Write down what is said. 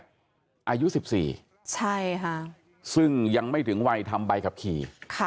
อายุสิบสี่ใช่ฮะซึ่งยังไม่ถึงวัยทำใบขับขี่ค่ะ